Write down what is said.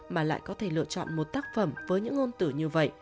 mà lại có thể lựa chọn một tác phẩm với những ngôn tử như vậy